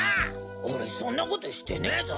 俺そんなことしてねぞ！